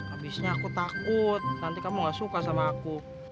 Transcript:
abisnya aku takut nanti kamu gak suka sama aku